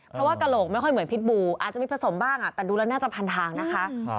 เพราะว่ากระโหลกไม่ค่อยเหมือนพิษบูอาจจะมีผสมบ้างแต่ดูแล้วน่าจะพันทางนะคะ